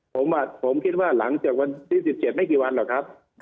ผมคิดว่าหลังจากวันที่๑๗ไม่กี่วันหรอกครับ